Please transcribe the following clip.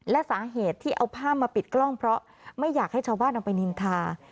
และสาเหตุที่เอาภาพมาปิดกล้องเพราะไม่อยากให้ชาวบ้านเอาไปนินทา